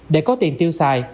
để có tiền tiêu xài